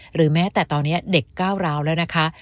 หรือแม้แต่ตอนนี้เด็กก้าวร้าวแล้วนะคะ